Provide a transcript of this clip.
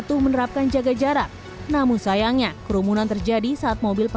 tapi ini sudah tutup